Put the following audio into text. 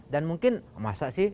dan mungkin masa sih